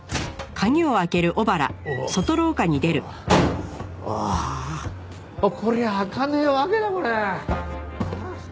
うわあこりゃあ開かねえわけだこれ。